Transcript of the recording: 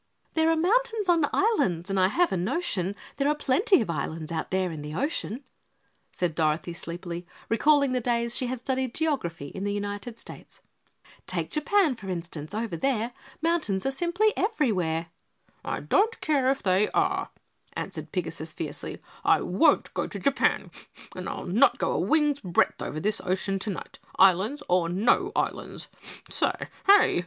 "There are mountains on islands and I have a notion There are plenty of islands out there in the ocean," said Dorothy sleepily, recalling the days she had studied geography in the United States. "Take Japan, for instance, over there Mountains are simply everywhere!" "I don't care if they are," answered Pigasus fiercely, "I won't go to Japan and I'll not go a wing's breadth over this ocean tonight, islands or no islands. Sa hay!